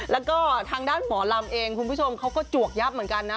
แล้วก็ทางด้านหมอลำเองคุณผู้ชมเขาก็จวกยับเหมือนกันนะ